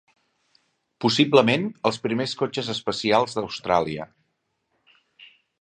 Possiblement els primers cotxes espacials d'Austràlia.